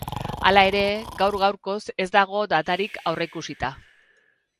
Hala ere, gaur-gaurkoz ez dago datarik aurreikusita.